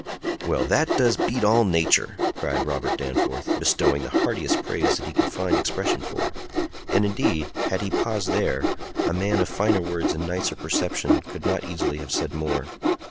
"Well, that does beat all nature!" cried Robert Danforth, bestowing the heartiest praise that he could find expression for; and, indeed, had he paused there, a man of finer words and nicer perception could not easily have said more.